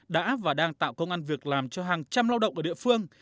đã và đang tạo công an việc làm cho hàng trăm lao động ở địa phương